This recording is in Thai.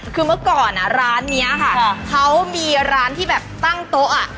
คือเมื่อก่อนร้านนี้ค่ะเขามีร้านที่แบบตั้งโต๊ะอ่ะ